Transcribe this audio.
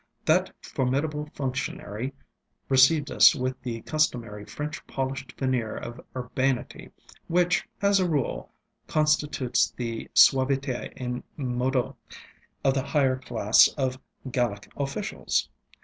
That formidable functionary received us with the customary French polished veneer of urbanity which, as a rule, constitutes the suaviter in modo of the higher class of Gallic officials.